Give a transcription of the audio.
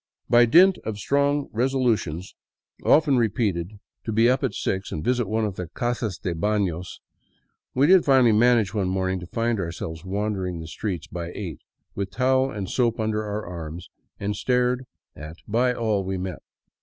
By dint of strong resolutions often 28 THE CLOISTERED CITY repeated to be up at six and visit one of the casas de baiios, we did finally manage one morning to find ourselves wandering the streets by eight, with towel and soap under our arms, and stared at by all we met.